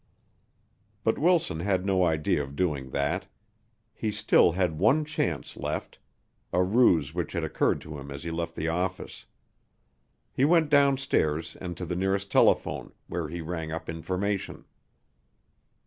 But Wilson had no idea of doing that. He still had one chance left a ruse which had occurred to him as he left the office. He went down stairs and to the nearest telephone, where he rang up Information.